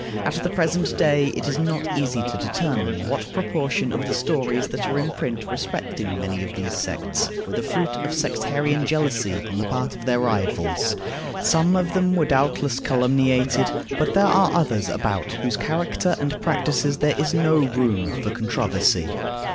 At the present day it is not easy to determine what proportion of the stories that are in print respecting many of these sects were the fruit of sectarian jealousy on the part of their rivals; some of them were doubtless calumniated, but there are others about whose character and practices there is no room for controversy.